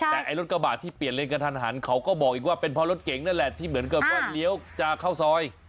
แต่ไอ้รถกระบาดที่เปลี่ยนเลนกระทันหันเขาก็บอกอีกว่าเป็นเพราะรถเก่งนั่นแหละที่เหมือนกับว่าเลี้ยวจะเข้าซอย